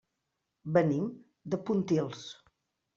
Venim de Pontils.